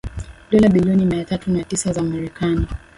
dola bilioni mia tatu na tisa za marekani